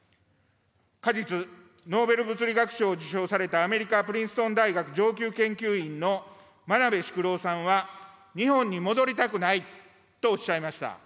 過日、ノーベル物理学賞を受賞されたアメリカ・プリンストン大学上級研究員の真鍋淑郎さんは日本に戻りたくないとおっしゃいました。